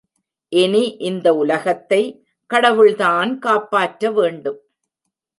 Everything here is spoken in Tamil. இனி இந்த உலகத்தை, கடவுள்தான் காப்பாற்ற வேண்டும்.